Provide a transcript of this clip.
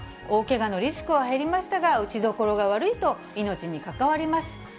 大けがのリスクは減りましたが、打ちどころが悪いと、命に関わります。